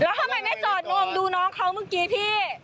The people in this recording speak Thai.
แล้วทำไมไม่จอดงวงดูน้องเขาเมื่อกี้พี่